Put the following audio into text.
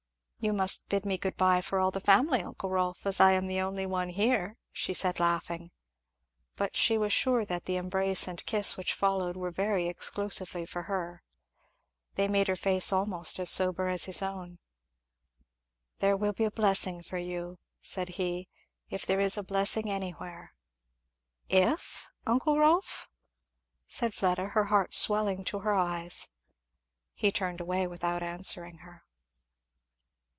"You must bid me good bye for all the family, uncle Rolf, as I am the only one here," she said laughing. But she was sure that the embrace and kiss which followed were very exclusively for her. They made her face almost as sober as his own. "There will be a blessing for you," said he, "if there is a blessing anywhere!" "If, uncle Rolf?" said Fleda, her heart swelling to her eyes. He turned away without answering her.